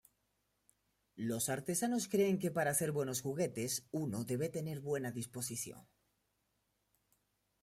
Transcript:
Los artesanos creen que para hacer Buenos juguetes, uno debe tener buena disposición.